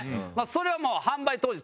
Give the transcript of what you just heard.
それはもう販売当時。